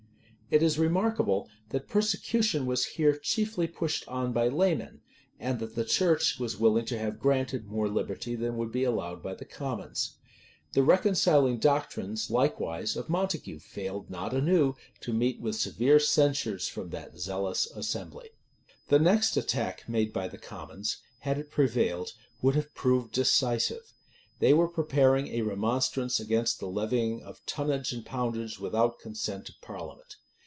[] It is remarkable, that persecution was here chiefly pushed on by laymen; and that the church was willing to have granted more liberty than would be allowed by the commons. The reconciling doctrines, likewise, of Montague failed not anew to meet with severe censures from that zealous assembly.[] * Franklyn, p. 195. Rushworth. See the list in Franklyn and Rushworth. Rushworth, vol. i. p. 209. The next attack made by the commons, had it prevailed, would have proved decisive. They were preparing a remonstranace against the levying of tonnage and poundage without consent of parliament.